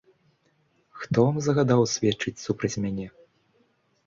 Хто вам загадаў сведчыць супраць мяне?